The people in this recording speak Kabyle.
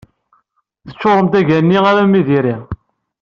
Teccuṛemt aga-nni armi d iri.